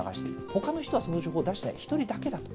ほかの人はその情報を出していない、１人だけだと。